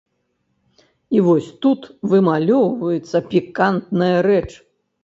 І вось тут вымалёўваецца пікантная рэч.